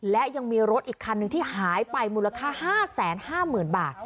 และยังมีรถอีกคันนึงที่หายไปมูลค่าห้าแสนห้าหมื่นบาท